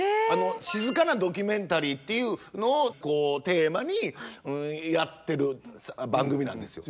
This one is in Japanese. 静かなドキュメンタリーっていうのをテーマにやってる番組なんですよ。